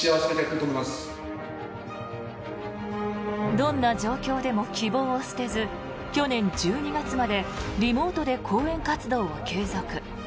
どんな状況でも希望を捨てず去年１２月までリモートで講演活動を継続。